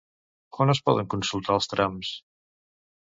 On es poden consultar els trams?